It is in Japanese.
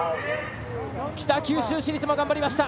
北九州市立も頑張りました。